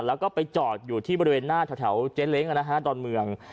แล้วก็ไปจอดอยู่ที่บริเวณหน้าแถวเจ๊เล้งดอนเมือง